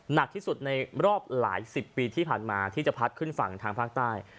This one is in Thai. หนักที่สุดในรอบหลายสิบปีที่ผ่านมาที่จะพัดขึ้นฝั่งทางภาคใต้